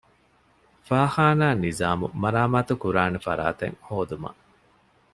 ފާޚާނާ ނިޒާމު މަރާމާތުކުރާނެ ފަރާތެއް ހޯދުމަށް